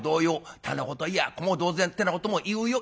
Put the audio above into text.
店子といや子も同然ってなことも言うよ。